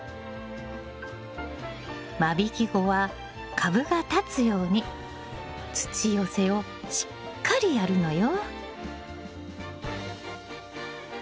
間引き後は株が立つように土寄せをしっかりやるのよ。